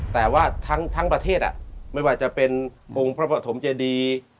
แต่ว่าทั้งประเทศไม่ว่าจะเป็นองค์พระปฐมเจดี